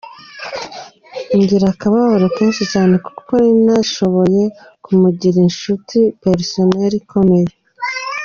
Ngira akababaro kenshi cyane kuko nari nashoboye kumugira inshuti personnel ikomeye.